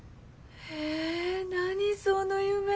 え何その夢。